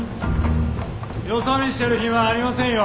よそ見してるヒマありませんよ